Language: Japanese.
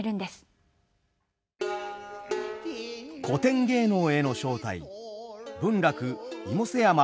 「古典芸能への招待」。